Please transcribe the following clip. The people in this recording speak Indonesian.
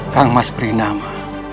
kang mas berinama